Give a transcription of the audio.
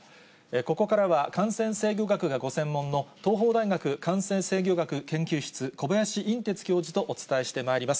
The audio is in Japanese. ここからは感染制御学がご専門の、東邦大学感染制御学研究室、小林寅てつ教授とお伝えしてまいります。